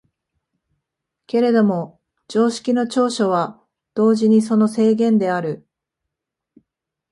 けれども常識の長所は同時にその制限である。